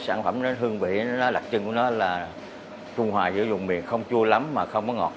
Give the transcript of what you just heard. sản phẩm nó hương vị nó đặc trưng của nó là trung hòa giữa dùng miền không chua lắm mà không có ngọt